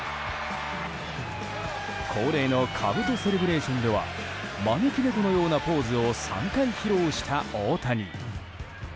恒例のかぶとセレブレーションでは招き猫のようなポーズを３回披露した大谷。